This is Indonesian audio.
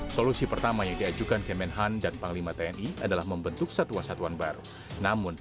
solusi pertama yang diajukan kemenhan dan panglima tni adalah membentuk satuan satuan baru namun